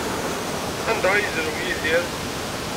Anda ay yezrew Yidir?